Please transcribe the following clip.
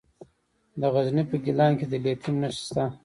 د غزني په ګیلان کې د لیتیم نښې شته.